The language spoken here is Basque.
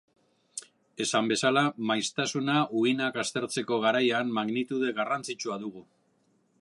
Esan bezala maiztasuna uhinak aztertzeko garaian magnitude garrantzitsua dugu.